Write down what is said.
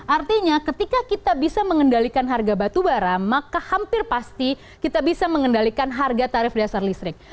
artinya ketika kita bisa mengendalikan harga batubara maka hampir pasti kita bisa mengendalikan harga tarif dasar listrik